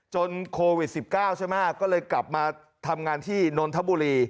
โควิด๑๙ใช่ไหมก็เลยกลับมาทำงานที่นนทบุรี